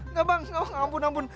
nggak bang ampun ampun